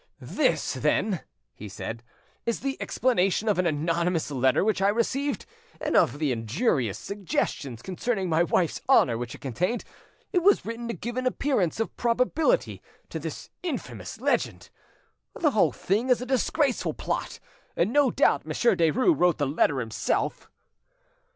"This, then," he said, "is the explanation of an anonymous letter which I received, and of the injurious suggestions' concerning my wife's honour which it contained; it was written to give an appearance of probability to this infamous legend. The whole thing is a disgraceful plot, and no doubt Monsieur Derues wrote the letter himself."